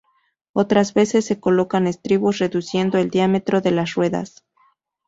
Otras veces, se colocan estribos reduciendo el diámetro de las ruedas.